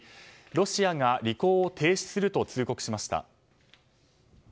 ロシアが履行を停止すると通告しました。